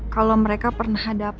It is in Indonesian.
kalau mereka pernah ada apa apa